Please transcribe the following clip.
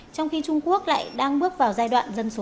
trong khi trung quốc lại đang bước vào giai đoạn dân số